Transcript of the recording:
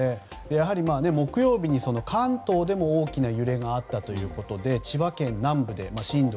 木曜日に関東でも大きな揺れがあったということで千葉県南部で震度